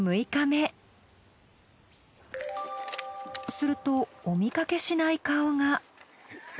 するとお見かけしない顔が。